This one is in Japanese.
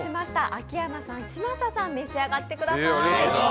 秋山さん、嶋佐さん、召し上がってください。